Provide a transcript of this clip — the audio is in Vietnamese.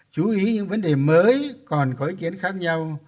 chú ý những vấn đề mới còn có ý kiến khác nhau